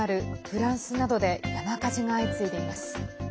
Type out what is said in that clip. フランスなどで山火事が相次いでいます。